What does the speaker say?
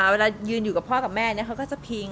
เวลายืนอยู่กับพ่อกับแม่เขาก็จะพิง